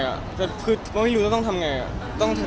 ไม่รู้ว่าจะต้องทำยังไง